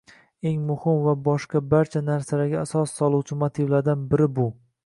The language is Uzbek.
eng muhim va boshqa barcha narsalarga asos soluvchi motivlardan biri bu